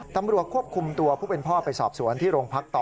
ตำรวจควบคุมตัวผู้เป็นพ่อไปสอบสวนที่โรงพักต่อ